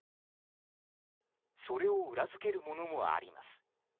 それを裏付けるものもあります。